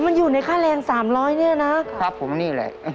อ๋อมันอยู่ในค่าแรง๓๐๐เนี่ยนะครับครับผมนี่แหละ